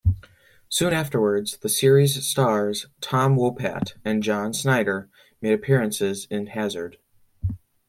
Soon afterwards, the series' stars Tom Wopat and John Schneider made appearances in Hazard.